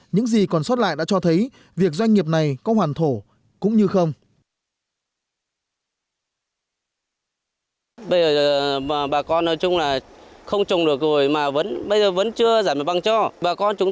những gì còn sót lại đã cho thấy việc doanh nghiệp này có hoàn thổ cũng như không